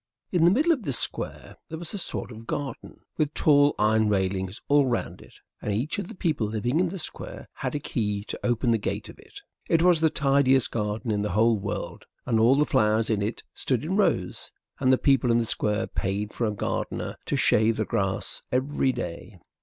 In the middle of this Square there was a sort of garden with tall iron railings all round it, and each of the people living in the Square had a key to open the gate of it. It was the tidiest garden in the whole world, and all the flowers in it stood in rows; and the people in the Square paid for a gardener to shave the grass every day.